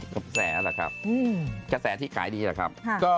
เกาะแสล่ะครับเกาะแสที่ขายดีล่ะครับ